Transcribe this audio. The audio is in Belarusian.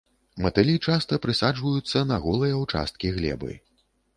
Матылі часта прысаджваюцца на голыя ўчасткі глебы.